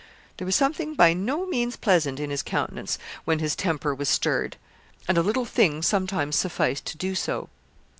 There was something by no means pleasant in his countenance when his temper was stirred, and a little thing sometimes sufficed to do so.